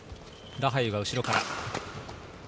ラハユが後ろから。